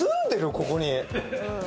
ここに。